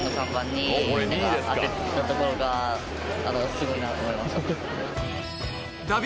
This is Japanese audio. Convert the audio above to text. ところがすごいなと思いました。